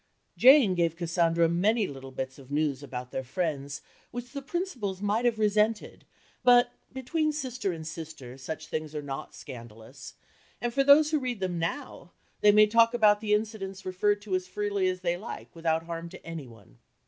_" Jane gave Cassandra many little bits of news about their friends which the principals might have resented, but between sister and sister such things are not scandalous, and as for those who read them now, they may talk about the incidents referred to as freely as they like without harm to any one.